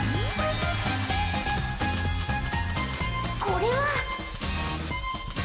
これは！